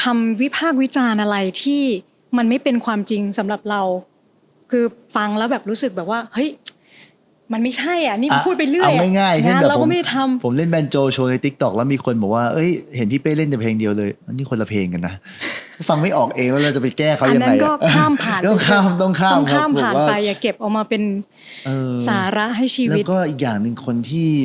มีคนด่าเราแล้วกลับไปเครียด